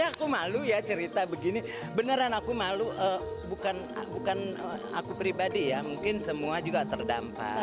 aku malu ya cerita begini beneran aku malu bukan aku pribadi ya mungkin semua juga terdampak